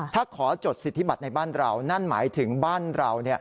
ถ้าขอจดสิทธิบัตรในบ้านเรานั่นหมายถึงบ้านเรา